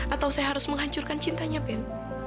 atau saya harus menghancurkan cintanya ben